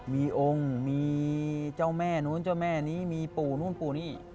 มีองค์มีเจ้าแม่นู้นเจ้าแม่นี้มีปู่นู้นปู่นี่